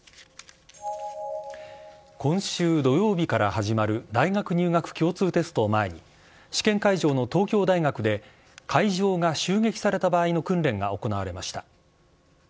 今週土曜日から始まる大学入学共通テストを前に、試験会場の東京大学で、会場が襲撃された場合の訓練が行われました。